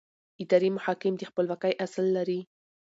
اداري محاکم د خپلواکۍ اصل لري.